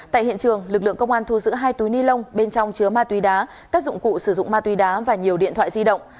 tại hiện trường lực lượng công an thu giữ hai túi ni lông bên trong chứa ma túy đá các dụng cụ sử dụng ma túy đá và nhiều điện thoại di động